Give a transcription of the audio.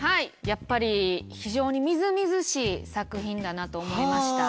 やっぱり非常にみずみずしい作品だなと思いました。